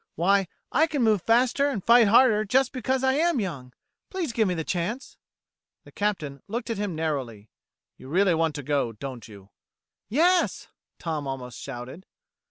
Why, I can move faster and fight harder just because I am young! Please give me the chance!" The Captain looked at him narrowly. "You really want to go, don't you?" "Yes!" Tom almost shouted.